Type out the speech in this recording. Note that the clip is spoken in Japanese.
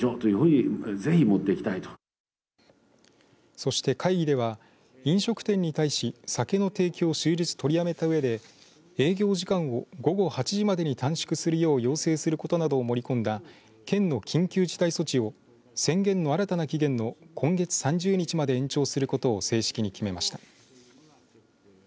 そして会議では飲食店に対し酒の提供を終日、取りやめたうえで営業時間を午後８時までに短縮するよう要請することなどを盛り込んだ県の緊急事態措置を宣言の新たな期限の今月３０日まで延長することを正式に決めました。